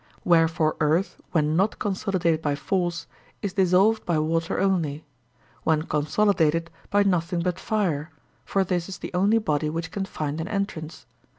Wherefore earth when not consolidated by force is dissolved by water only; when consolidated, by nothing but fire; for this is the only body which can find an entrance.